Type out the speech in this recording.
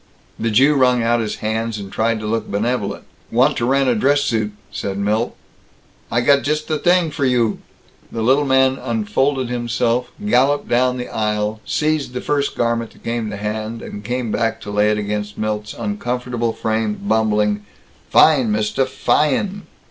The Jew wrung out his hands and tried to look benevolent. "Want to rent a dress suit," said Milt. "I got just the t'ing for you!" The little man unfolded himself, galloped down the aisle, seized the first garment that came to hand, and came back to lay it against Milt's uncomfortable frame, bumbling, "Fine, mister, fy en!"